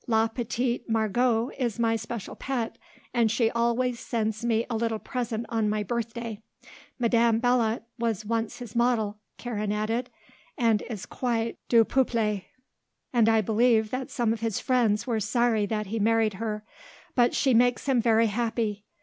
La petite Margot is my special pet and she always sends me a little present on my birthday. Madame Belot was once his model," Karen added, "and is quite du peuple, and I believe that some of his friends were sorry that he married her; but she makes him very happy.